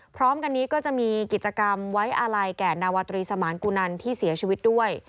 พร้อมกันนี้ก็จะมีกิจกรรมไว้อาลัยแก่นาวาตรีสมานกุนันที่เสียชีวิตด้วย